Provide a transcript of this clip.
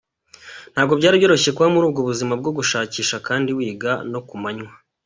Ntabwo byari byoroshye kuba muri ubwo buzima bwo gushakisha kandi wiga no ku manywa.